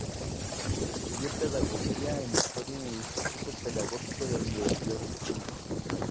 Estudió pedagogía en historia en el Instituto Pedagógico de la Universidad de Chile.